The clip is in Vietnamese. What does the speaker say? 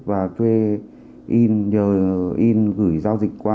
và thuê in nhờ in gửi giao dịch qua